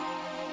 aku mau ke rumah